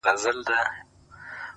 بس یوازي د یوه سړي خپلیږي،